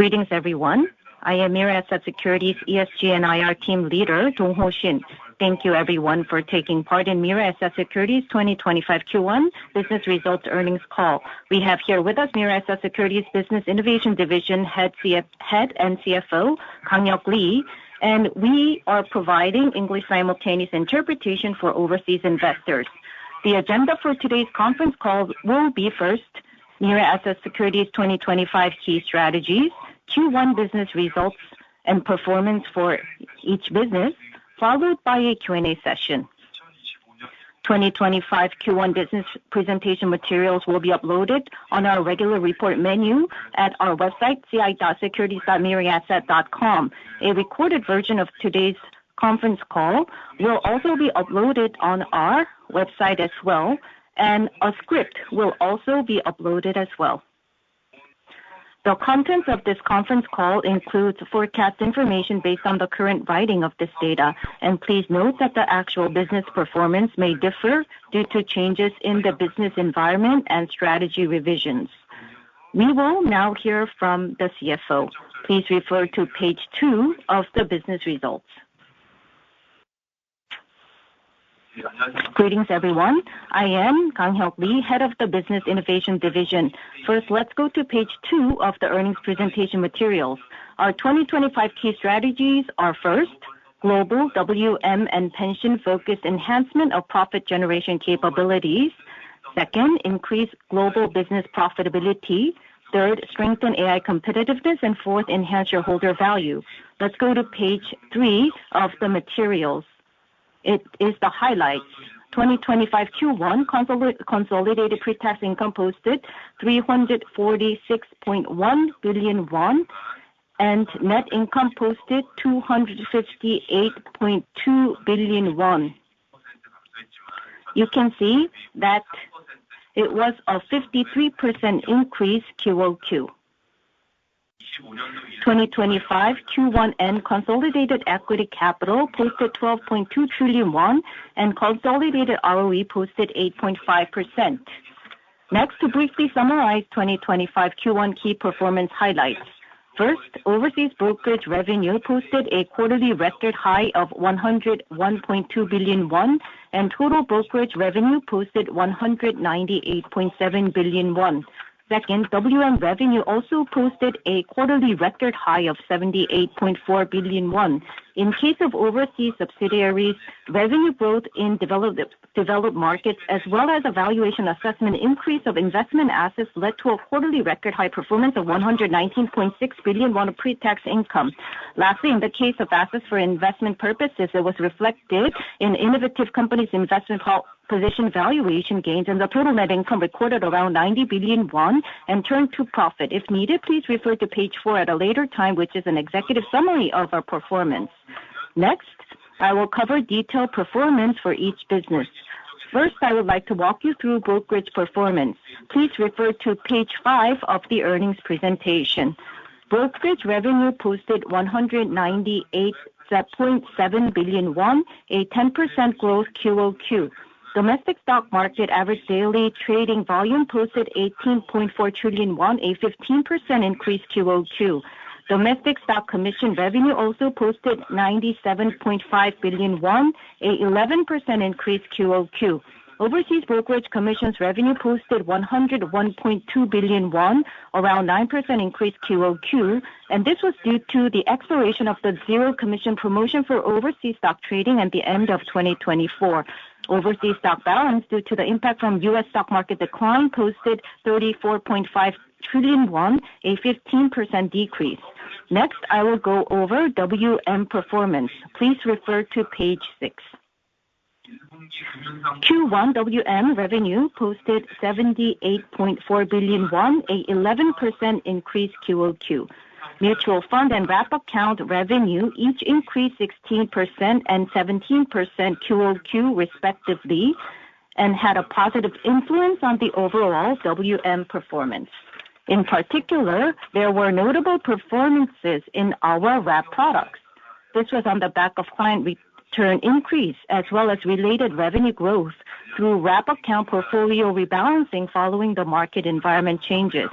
Greetings everyone. I am Mirae Asset Securities ESG and IR team leader, Dongho Shin. Thank you everyone for taking part in Mirae Asset Securities 2025 Q1 business results earnings call. We have here with us Mirae Asset Securities Business Innovation Division head and CFO, Kanghyok Lee, and we are providing English simultaneous interpretation for overseas investors. The agenda for today's conference call will be first, Mirae Asset Securities 2025 key strategies, Q1 business results and performance for each business, followed by a Q&A session. 2025 Q1 business presentation materials will be uploaded on our regular report menu at our website, ci.securities.miraeasset.com. A recorded version of today's conference call will also be uploaded on our website as well, and a script will also be uploaded as well. The contents of this conference call includes forecast information based on the current writing of this data. Please note that the actual business performance may differ due to changes in the business environment and strategy revisions. We will now hear from the CFO. Please refer to page two of the business results. Greetings everyone. I am Kanghyok Lee, head of the business innovation division. First, let's go to page two of the earnings presentation materials. Our 2025 key strategies are first, global WM and pension-focused enhancement of profit generation capabilities. Second, increase global business profitability. Third, strengthen AI competitiveness, and fourth, enhance shareholder value. Let's go to page three of the materials. It is the highlights, 2025 Q1 consolidated pre-tax income posted 346.1 billion won and net income posted 258.2 billion KRW. You can see that it was a 53% increase QOQ. 2025 Q1 end consolidated equity capital posted 12.2 trillion won and consolidated ROE posted 8.5%. Next, to briefly summarize 2025 Q1 key performance highlights. First, overseas brokerage revenue posted a quarterly record high of 101.2 billion won, and total brokerage revenue posted 198.7 billion won. Second, WM revenue also posted a quarterly record high of 78.4 billion won. In case of overseas subsidiaries, revenue growth in developed markets as well as a valuation assessment increase of investment assets led to a quarterly record high performance of 119.6 billion won of pre-tax income. Lastly, in the case of assets for investment purposes, it was reflected in innovative companies investment position valuation gains, and the total net income recorded around 90 billion won and turned to profit. If needed, please refer to page four at a later time, which is an executive summary of our performance. Next, I will cover detailed performance for each business. First, I would like to walk you through brokerage performance. Please refer to page five of the earnings presentation. Brokerage revenue posted 198.7 billion won, a 10% growth QOQ. Domestic stock market average daily trading volume posted 18.4 trillion won, a 15% increase QOQ. Domestic stock commission revenue also posted 97.5 billion won, an 11% increase QOQ. Overseas brokerage commissions revenue posted 101.2 billion won, around 9% increase QOQ. This was due to the expiration of the zero commission promotion for overseas stock trading at the end of 2024. Overseas stock balance, due to the impact from U.S. stock market decline, posted 34.5 trillion won, a 15% decrease. Next, I will go over WM performance. Please refer to page six. Q1 WM revenue posted 78.4 billion won, an 11% increase QOQ. Mutual fund and wrap account revenue each increased 16% and 17% QOQ respectively, and had a positive influence on the overall WM performance. In particular, there were notable performances in our wrap products. This was on the back of client return increase, as well as related revenue growth through wrap account portfolio rebalancing following the market environment changes.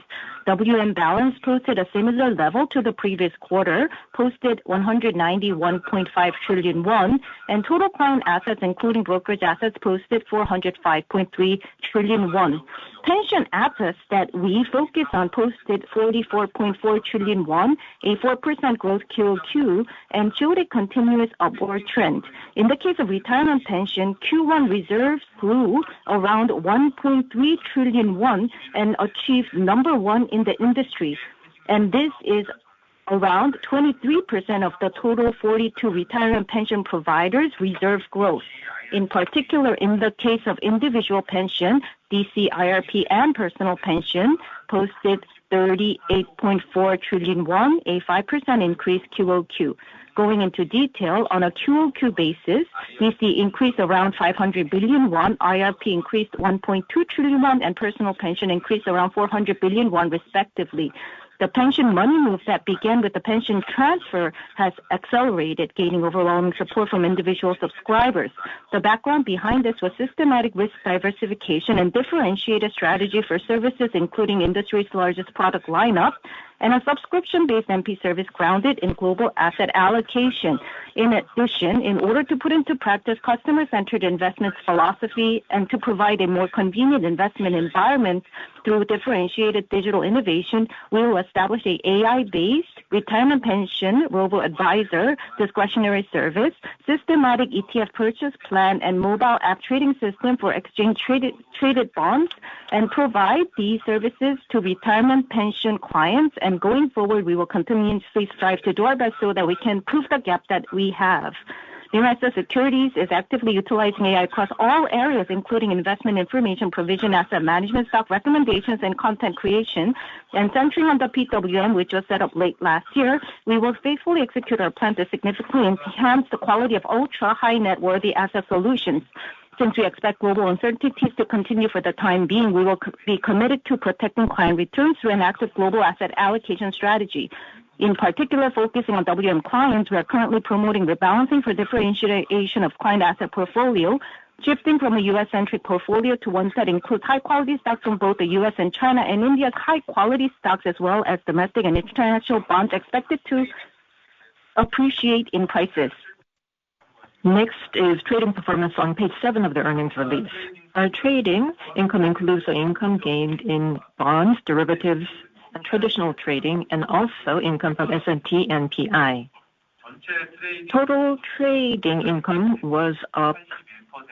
WM balance posted a similar level to the previous quarter, posted 191.5 trillion won, and total client assets, including brokerage assets, posted 405.3 trillion won. Pension assets that we focus on posted 44.4 trillion won, a 4% growth QOQ, and showed a continuous upward trend. In the case of retirement pension, Q1 reserves grew around 1.3 trillion won and achieved number one in the industry. This is around 23% of the total 42 retirement pension providers' reserve growth. In particular, in the case of individual pension, DC, IRP, and personal pension posted 38.4 trillion won, a 5% increase QOQ. Going into detail, on a QOQ basis, we see increase around 500 billion won, IRP increased 1.2 trillion won, and personal pension increased around 400 billion won respectively. The pension money moves that began with the pension transfer has accelerated, gaining overwhelming support from individual subscribers. The background behind this was systematic risk diversification and differentiated strategy for services, including industry's largest product lineup and a subscription-based MP service grounded in global asset allocation. In addition, in order to put into practice customer-centered investments philosophy and to provide a more convenient investment environment through differentiated digital innovation, we will establish an AI-based retirement pension robo-advisor discretionary service, systematic ETF purchase plan, and mobile app trading system for exchange traded bonds, and provide these services to retirement pension clients. Going forward, we will continuously strive to do our best so that we can close the gap that we have. Mirae Asset Securities is actively utilizing AI across all areas, including investment information provision, asset management, stock recommendations, and content creation. Centering on the PWM, which was set up late last year, we will faithfully execute our plan to significantly enhance the quality of ultra-high-net-worthy asset solutions. Since we expect global uncertainties to continue for the time being, we will be committed to protecting client returns through an active global asset allocation strategy. In particular, focusing on WM clients, we are currently promoting rebalancing for differentiation of client asset portfolio, shifting from a U.S.-centric portfolio to one that includes high-quality stocks from both the U.S. and China, and India's high-quality stocks, as well as domestic and international bonds expected to appreciate in prices. Next is trading performance on page seven of the earnings release. Our trading income includes the income gained in bonds, derivatives, and traditional trading, and also income from S&T and PI. Total trading income was up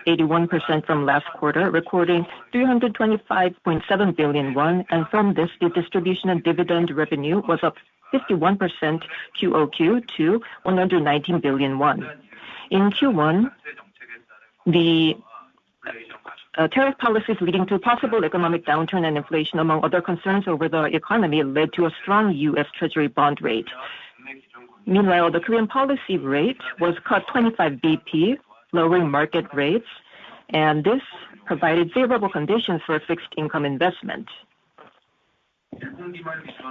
81% from last quarter, recording 325.7 billion won, and from this the distribution and dividend revenue was up 51% QOQ to 119 billion won. In Q1, the tariff policies leading to possible economic downturn and inflation, among other concerns over the economy, led to a strong U.S. Treasury bond rate. Meanwhile, the Korean policy rate was cut 25 BP, lowering market rates, and this provided favorable conditions for fixed income investment.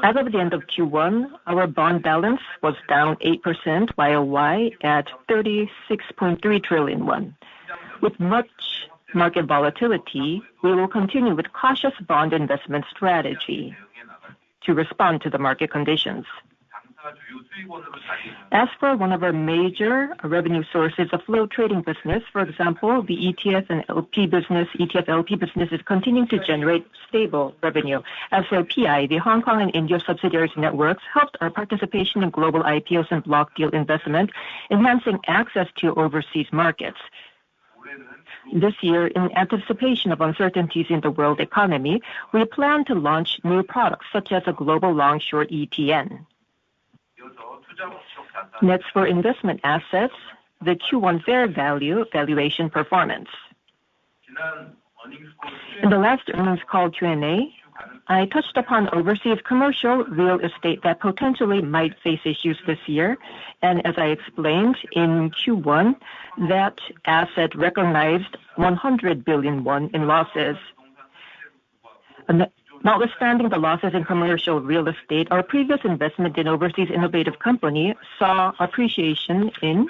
As of the end of Q1, our bond balance was down 8% YOY at 36.3 trillion won. With much market volatility, we will continue with cautious bond investment strategy to respond to the market conditions. As for one of our major revenue sources of flow trading business, for example, the ETF and LP business is continuing to generate stable revenue. SLPI, the Hong Kong and India subsidiaries networks helped our participation in global IPOs and block deal investment, enhancing access to overseas markets. This year, in anticipation of uncertainties in the world economy, we plan to launch new products such as a global long short EPN. Next for investment assets, the Q1 fair value valuation performance. In the last earnings call Q&A, I touched upon overseas commercial real estate that potentially might face issues this year. As I explained in Q1, that asset recognized 100 billion won in losses. Notwithstanding the losses in commercial real estate, our previous investment in overseas innovative company saw appreciation in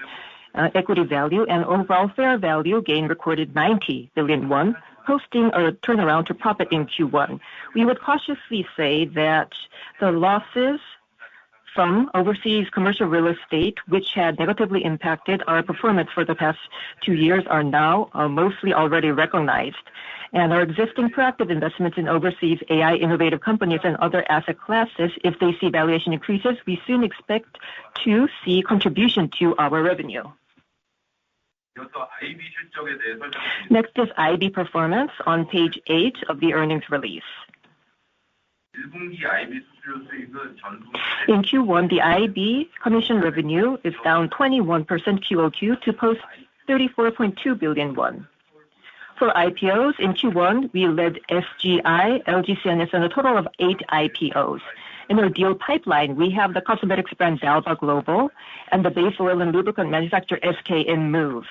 equity value and overall fair value gain recorded 90 billion won, hosting a turnaround to profit in Q1. We would cautiously say that the losses from overseas commercial real estate, which had negatively impacted our performance for the past two years, are now mostly already recognized, and our existing proactive investments in overseas AI innovative companies and other asset classes, if they see valuation increases, we soon expect to see contribution to our revenue. Next is IB performance on page eight of the earnings release. In Q1, the IB commission revenue is down 21% QOQ to post 34.2 billion won. For IPOs in Q1, we led SGI, LG CNS, and a total of eight IPOs. In our deal pipeline, we have the cosmetics brand d'Alba Global and the base oil and lubricant manufacturer SK Enmove.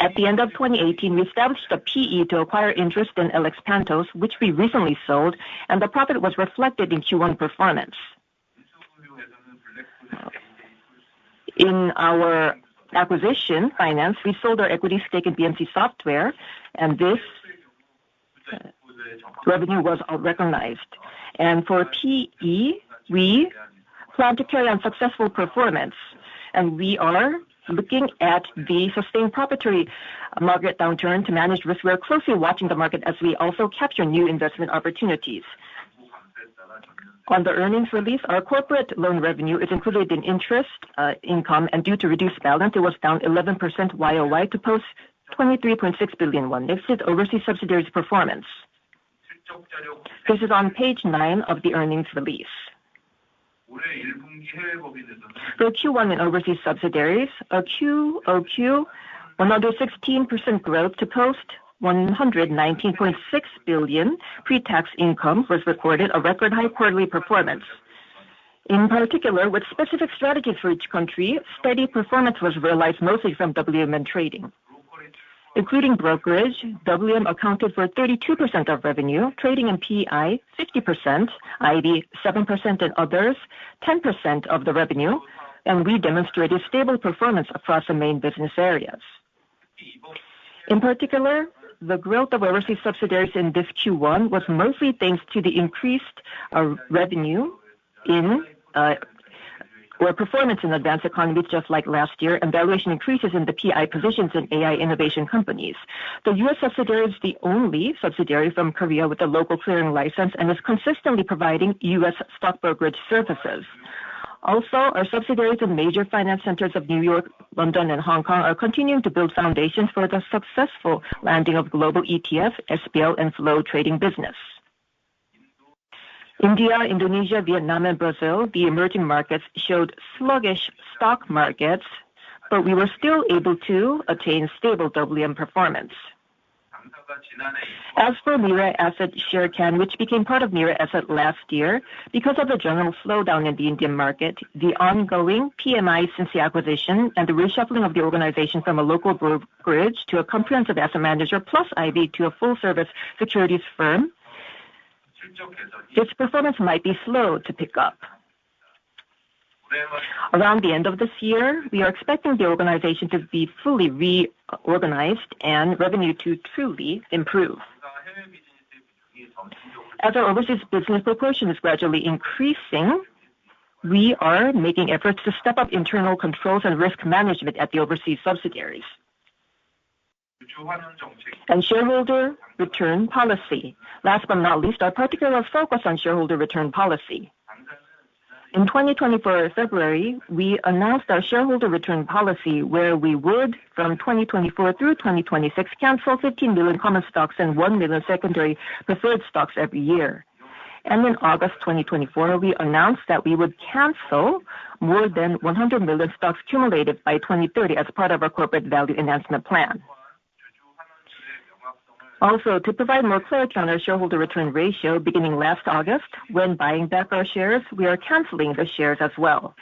At the end of 2018, we established a PE to acquire interest in LX Pantos, which we recently sold, and the profit was reflected in Q1 performance. In our acquisition finance, we sold our equity stake in BMC Software and this revenue was recognized. For PE, we plan to carry on successful performance, and we are looking at the sustained proprietary market downturn to manage risk. We are closely watching the market as we also capture new investment opportunities. On the earnings release, our corporate loan revenue is included in interest income, and due to reduced balance, it was down 11% YOY to post 23.6 billion won. Next is overseas subsidiaries performance. This is on page nine of the earnings release. For Q1 in overseas subsidiaries, a QOQ 116% growth to post 119.6 billion pre-tax income was recorded, a record high quarterly performance. In particular, with specific strategies for each country, steady performance was realized mostly from WM and trading Including brokerage, WM accounted for 32% of revenue, trading and PI 50%, IB 7%, and others 10% of the revenue, and we demonstrated stable performance across the main business areas. In particular, the growth of overseas subsidiaries in this Q1 was mostly thanks to the increased revenue in or performance in advanced economies, just like last year, and valuation increases in the PI positions in AI innovation companies. The U.S. subsidiary is the only subsidiary from Korea with a local clearing license, and is consistently providing U.S. stock brokerage services. Also, our subsidiaries in major finance centers of New York, London, and Hong Kong are continuing to build foundations for the successful landing of global ETF, FPL, and flow trading business. India, Indonesia, Vietnam, and Brazil, the emerging markets showed sluggish stock markets, but we were still able to attain stable WM performance. As for Mirae Asset Sharekhan, which became part of Mirae Asset last year, because of the general slowdown in the Indian market, the ongoing PMI since the acquisition, and the reshuffling of the organization from a local brokerage to a comprehensive asset manager, plus IB to a full service securities firm, its performance might be slow to pick up. Around the end of this year, we are expecting the organization to be fully reorganized and revenue to truly improve. As our overseas business proportion is gradually increasing, we are making efforts to step up internal controls and risk management at the overseas subsidiaries. Shareholder return policy. Last but not least, our particular focus on shareholder return policy. In February 2024, we announced our shareholder return policy, where we would, from 2024-2026, cancel 15 million common stocks and 1 million secondary preferred stocks every year. In August 2024, we announced that we would cancel more than 100 million stocks accumulated by 2030 as part of our corporate value enhancement plan. Also, to provide more clarity on our shareholder return ratio, beginning last August, when buying back our shares, we are canceling the shares as well.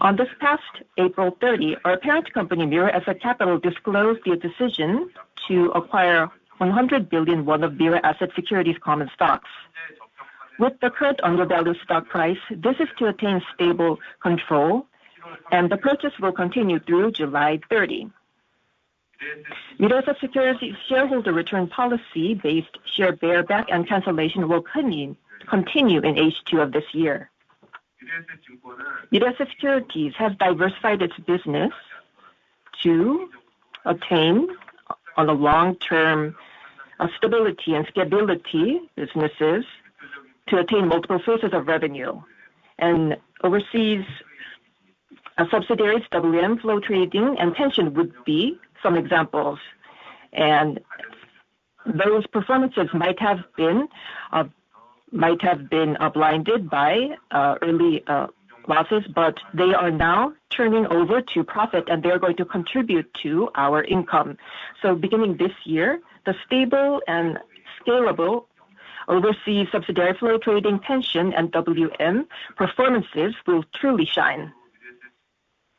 On this past April 30, our parent company, Mirae Asset Capital, disclosed the decision to acquire 100 billion won of Mirae Asset Securities common stocks. With the current undervalue stock price, this is to attain stable control, and the purchase will continue through July 30. Mirae Asset Securities shareholder return policy based share buyback and cancellation will continue in H2 of this year. Mirae Asset Securities has diversified its business to attain on a long-term stability and scalability businesses to attain multiple sources of revenue. Overseas subsidiaries, WM, flow trading, and pension would be some examples. Those performances might have been blinded by early losses, but they are now turning over to profit, and they're going to contribute to our income. So beginning this year, the stable and scalable overseas subsidiary flow trading pension and WM performances will truly shine,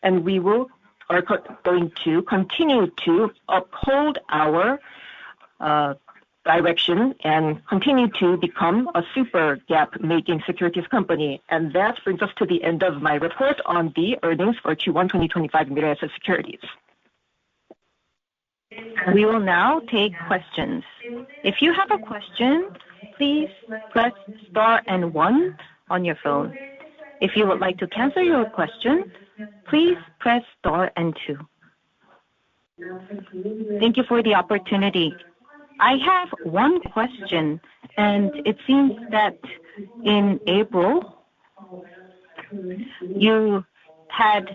and we are going to continue to uphold our direction and continue to become a super gap-making securities company. That brings us to the end of my report on the earnings for Q1 2025 Mirae Asset Securities. We will now take questions. If you have a question, please press star 1 on your phone. If you would like to cancel your question, please press star 2. Thank you for the opportunity. I have one question. It seems that in April, you had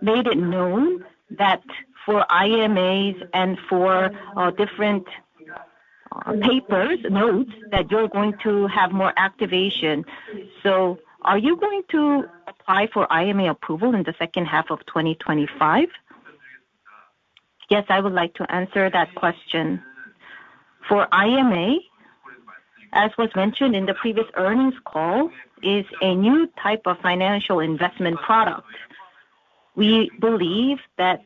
made it known that for IMAs and for different papers, notes, that you're going to have more activation. Are you going to apply for IMA approval in the second half of 2025? Yes, I would like to answer that question. For IMA, as was mentioned in the previous earnings call, is a new type of financial investment product. We believe that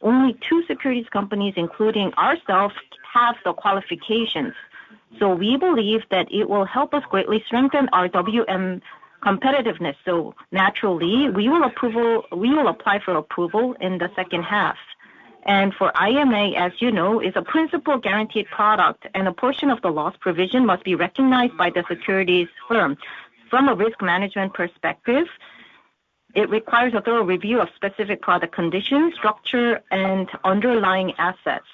only two securities companies, including ourselves, have the qualifications. We believe that it will help us greatly strengthen our WM competitiveness. Naturally, we will apply for approval in the second half. For IMA, as you know, is a principal guaranteed product and a portion of the loss provision must be recognized by the securities firm. From a risk management perspective, it requires a thorough review of specific product conditions, structure, and underlying assets.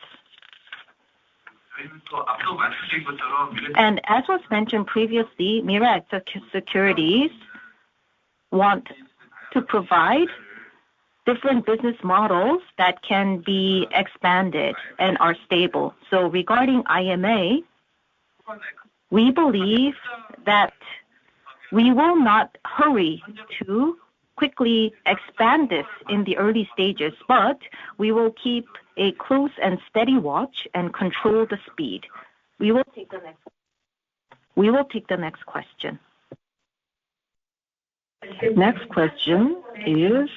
As was mentioned previously, Mirae Asset Securities want to provide different business models that can be expanded and are stable. Regarding IMA, we believe that we will not hurry to quickly expand this in the early stages, but we will keep a close and steady watch and control the speed. We will take the next question. Next question is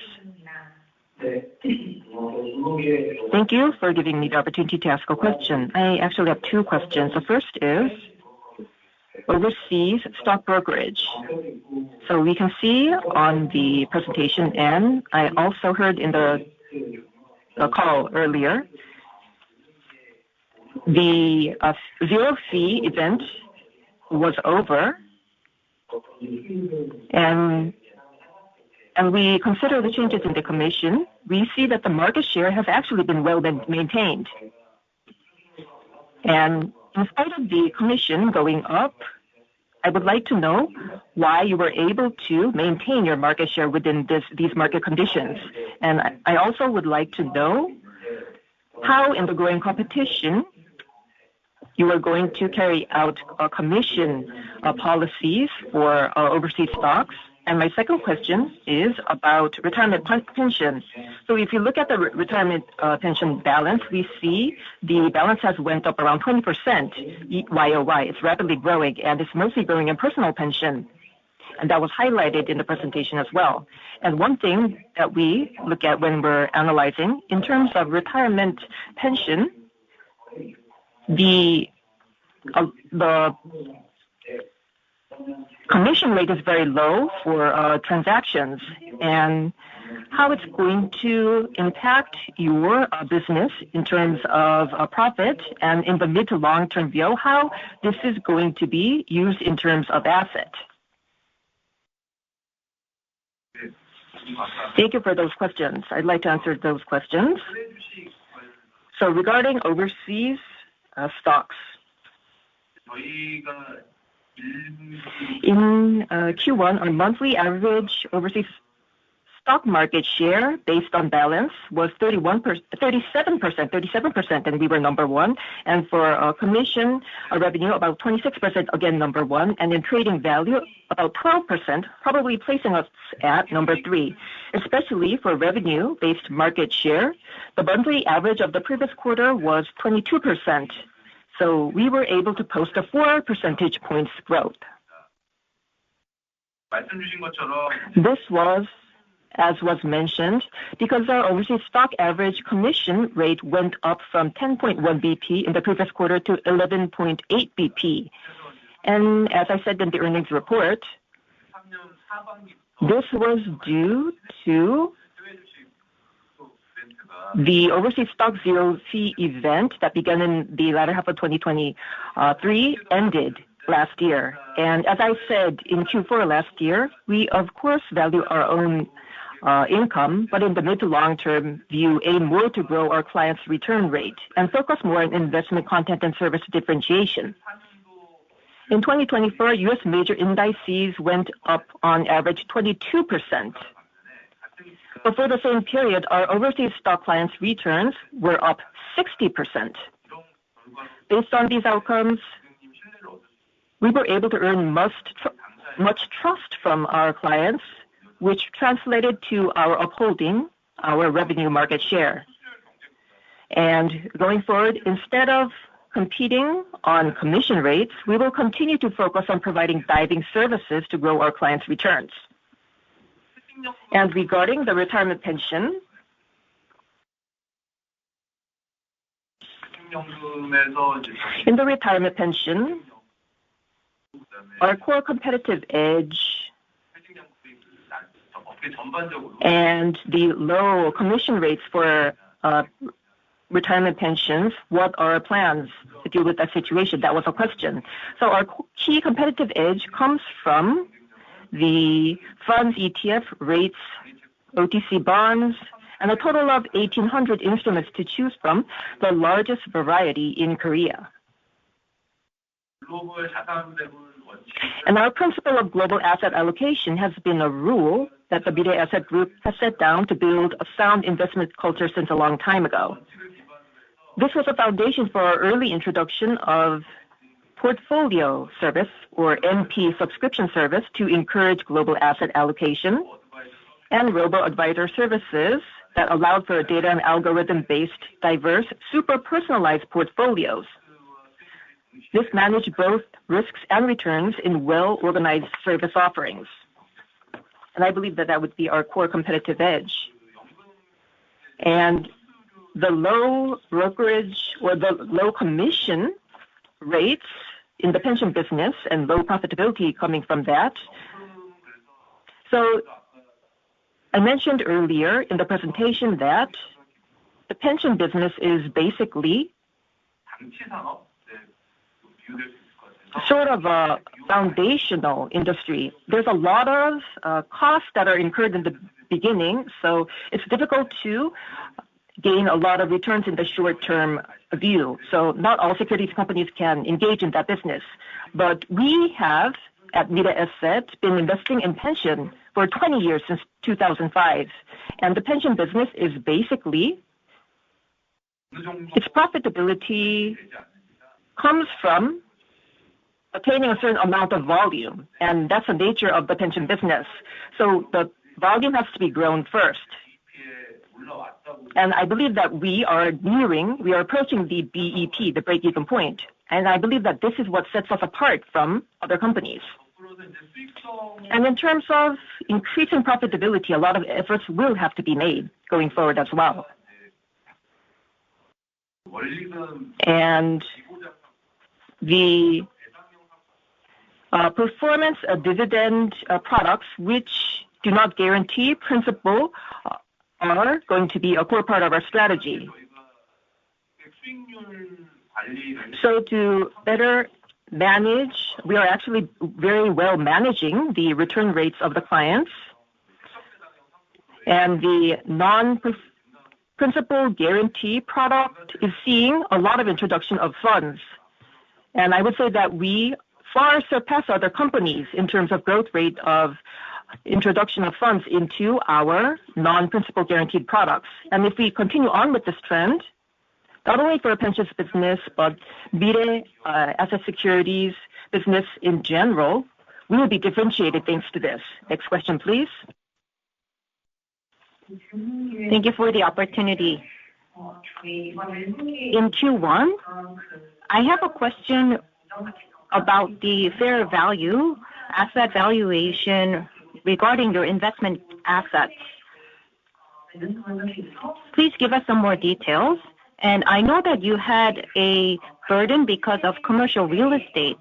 Thank you for giving me the opportunity to ask a question. I actually have two questions. The first is overseas stock brokerage. We can see on the presentation, and I also heard in the call earlier, the zero fee event was over, and we consider the changes in the commission. We see that the market share has actually been well-maintained. In spite of the commission going up, I would like to know why you were able to maintain your market share within these market conditions. I also would like to know how, in the growing competition, you are going to carry out commission policies for overseas stocks. My second question is about retirement pension. If you look at the retirement pension balance, we see the balance has went up around 20% Y-o-Y. It's rapidly growing. It's mostly growing in personal pension, and that was highlighted in the presentation as well. One thing that we look at when we're analyzing, in terms of retirement pension, the commission rate is very low for transactions, how it's going to impact your business in terms of profit, and in the mid to long-term view, how this is going to be used in terms of asset. Thank you for those questions. I'd like to answer those questions. Regarding overseas stocks, in Q1, on a monthly average, overseas stock market share, based on balance, was 37%, and we were number one, for commission, our revenue, about 26%, again, number one, and in trading value, about 12%, probably placing us at number three. Especially for revenue-based market share, the monthly average of the previous quarter was 22%, we were able to post a four percentage points growth. This was, as was mentioned, because our overseas stock average commission rate went up from 10.1 BP in the previous quarter to 11.8 BP. As I said in the earnings report, this was due to the overseas stock zero fee event that began in the latter half of 2023, ended last year. As I said in Q4 last year, we of course value our own income, but in the mid-to-long-term view, aim more to grow our clients' return rate and focus more on investment content and service differentiation. In 2024, U.S. major indices went up on average 22%. For the same period, our overseas stock clients' returns were up 60%. Based on these outcomes, we were able to earn much trust from our clients, which translated to our upholding our revenue market share. Going forward, instead of competing on commission rates, we will continue to focus on providing guiding services to grow our clients' returns. Regarding the retirement pension, in the retirement pension, our core competitive edge and the low commission rates for retirement pensions, what are our plans to deal with that situation? That was the question. Our key competitive edge comes from the funds ETF rates, OTC bonds, and a total of 1,800 instruments to choose from, the largest variety in Korea. Our principle of global asset allocation has been a rule that the Mirae Asset Group has set down to build a sound investment culture since a long time ago. This was a foundation for our early introduction of portfolio service or MP subscription service to encourage global asset allocation and robo-advisor services that allowed for data and algorithm-based, diverse, super-personalized portfolios. This managed both risks and returns in well-organized service offerings. I believe that that would be our core competitive edge. The low brokerage or the low commission rates in the pension business, and low profitability coming from that. I mentioned earlier in the presentation that the pension business is basically sort of a foundational industry. There's a lot of costs that are incurred in the beginning, so it's difficult to gain a lot of returns in the short-term view. Not all securities companies can engage in that business. We have, at Mirae Asset, been investing in pension for 20 years, since 2005. The pension business is basically, its profitability comes from obtaining a certain amount of volume, and that's the nature of the pension business. The volume has to be grown first. I believe that we are nearing, we are approaching the BEP, the break-even point. I believe that this is what sets us apart from other companies. In terms of increasing profitability, a lot of efforts will have to be made going forward as well. The performance of dividend products which do not guarantee principal are going to be a core part of our strategy. To better manage, we are actually very well managing the return rates of the clients, the non-principal guarantee product is seeing a lot of introduction of funds. I would say that we far surpass other companies in terms of growth rate of introduction of funds into our non-principal guaranteed products. If we continue on with this trend, not only for our pensions business, but Mirae Asset Securities business in general, we will be differentiated thanks to this. Next question, please. Thank you for the opportunity. In Q1, I have a question about the fair value asset valuation regarding your investment assets. Please give us some more details. I know that you had a burden because of commercial real estate.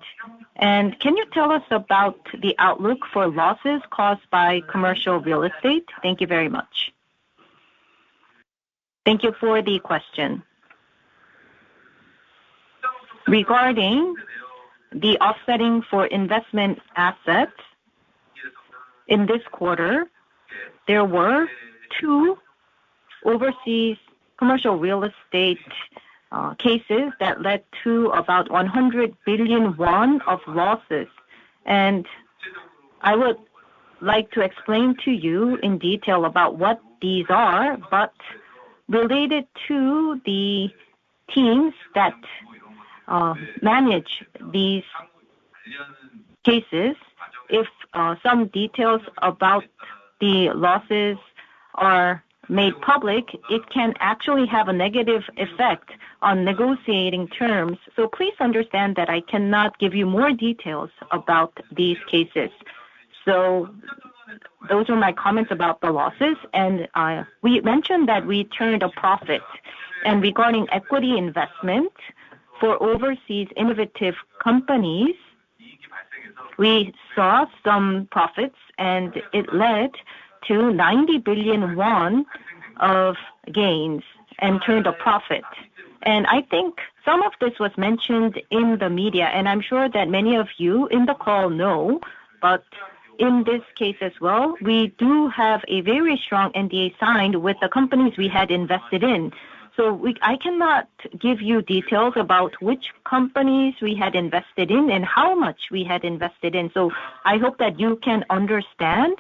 Can you tell us about the outlook for losses caused by commercial real estate? Thank you very much. Thank you for the question. Regarding the offsetting for investment assets, in this quarter, there were two overseas commercial real estate cases that led to about 100 billion won of losses. I would like to explain to you in detail about what these are, but related to the teams that manage these cases, if some details about the losses are made public, it can actually have a negative effect on negotiating terms. Please understand that I cannot give you more details about these cases. Those are my comments about the losses, and we mentioned that we turned a profit. Regarding equity investment for overseas innovative companies, we saw some profits, and it led to 90 billion won of gains and turned a profit. I think some of this was mentioned in the media, and I'm sure that many of you in the call know. In this case as well, we do have a very strong NDA signed with the companies we had invested in. I cannot give you details about which companies we had invested in and how much we had invested in. I hope that you can understand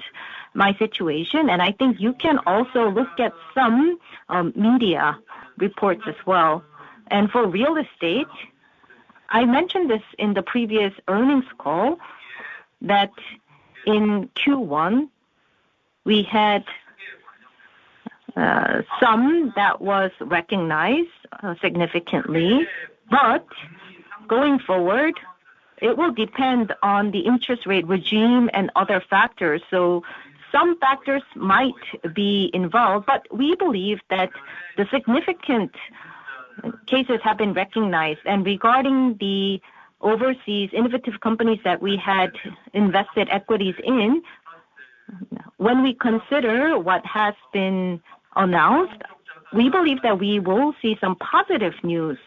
my situation, and I think you can also look at some media reports as well. For real estate, I mentioned this in the previous earnings call that in Q1, we had some that was recognized significantly. Going forward, it will depend on the interest rate regime and other factors. Some factors might be involved, but we believe that the significant cases have been recognized. Regarding the overseas innovative companies that we had invested equities in, when we consider what has been announced, we believe that we will see some positive news.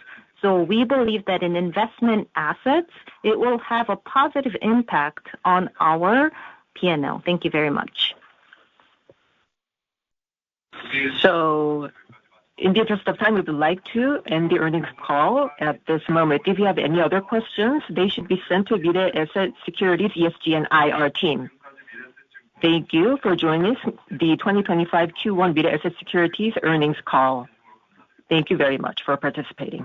We believe that in investment assets, it will have a positive impact on our P&L. Thank you very much. In the interest of time, we would like to end the earnings call at this moment. If you have any other questions, they should be sent to Mirae Asset Securities ESG and IR team. Thank you for joining the 2025 Q1 Mirae Asset Securities earnings call. Thank you very much for participating.